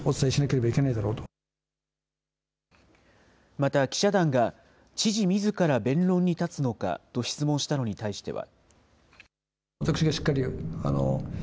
また、記者団が、知事みずから弁論に立つのかと質問したのに対しては。